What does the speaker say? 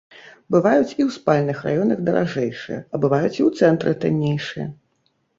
Бываюць і ў спальных раёнах даражэйшыя, а бываюць і ў цэнтры таннейшыя.